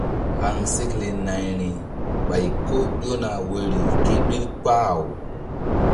Haŋsekle nayri ɓay ko ƴona woyri ké ɓil kpah-aw.